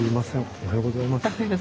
おはようございます。